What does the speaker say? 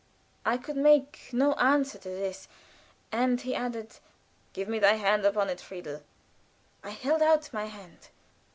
I could make no answer to this, and he added, "Give me thy hand upon it, Friedel." I held out my hand.